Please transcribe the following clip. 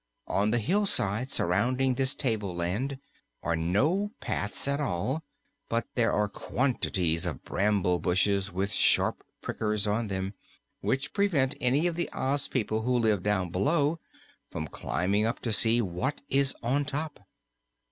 On the hillside surrounding this tableland are no paths at all, but there are quantities of bramble bushes with sharp prickers on them, which prevent any of the Oz people who live down below from climbing up to see what is on top.